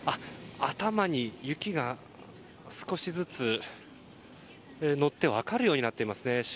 頭に雪が少しずつ乗って分かるようになっていますね。